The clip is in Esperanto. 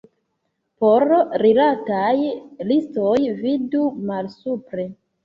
Por rilataj listoj, vidu malsupre.